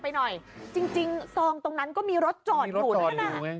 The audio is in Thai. ไปหน่อยจริงจริงซองตรงนั้นก็มีรถจอดอยู่นี่แหละมีรถจอดอยู่นั่ง